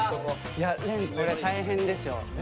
いや廉大変ですよ。